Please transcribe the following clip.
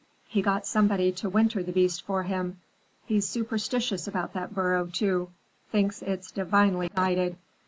He got somebody to winter the beast for him. He's superstitious about that burro, too; thinks it's divinely guided.